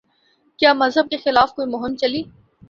کیا مذہب کے خلاف کوئی مہم چلی؟